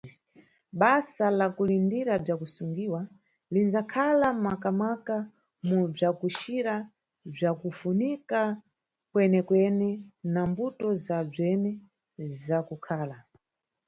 Basa la kulindira bzwakusungiwa linʼdzakhala makamaka mu bzwakucira bzwa kufunika kwenekwene na mbuto zabzwene za kukhala.